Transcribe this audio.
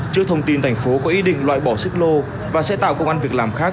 trước thông tin thành phố có ý định loại bỏ xích lô và sẽ tạo công an việc làm khác